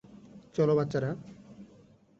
চলো, বাচ্চারা?